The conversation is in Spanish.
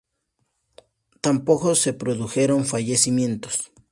Tampoco se produjeron fallecimientos.